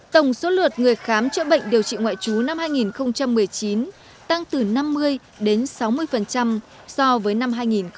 tổng số lượt người khám chữa bệnh điều trị ngoại trú năm hai nghìn một mươi chín tăng từ năm mươi đến sáu mươi so với năm hai nghìn một mươi tám